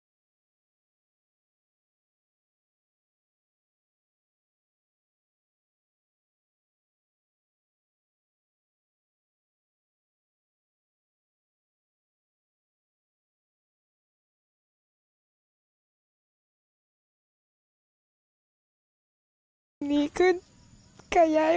โปรดติดตามต่อไป